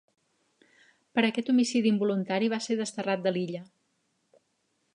Per aquest homicidi involuntari va ser desterrat de l'illa.